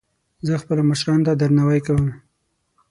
زه خپلو مشرانو ته درناوی کوم